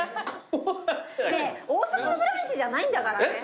『王様のブランチ』じゃないんだからね。